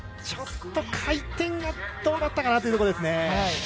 ちょっと回転がどうだったかなというところですね。